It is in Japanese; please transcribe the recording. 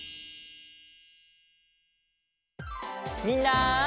みんな！